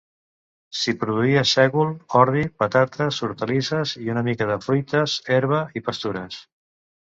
S'hi produïa sègol, ordi, patates, hortalisses i una mica de fruites, herba i pastures.